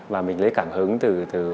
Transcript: và mình lấy cảm hứng từ